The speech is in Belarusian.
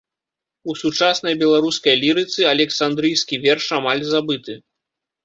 У сучаснай беларускай лірыцы александрыйскі верш амаль забыты.